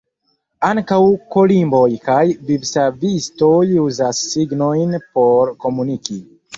Ankaŭ kolimboj kaj vivsavistoj uzas signojn por komuniki.